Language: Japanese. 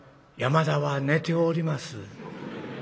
「山田は寝ております」。